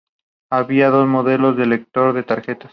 Había dos modelos de lector de tarjetas.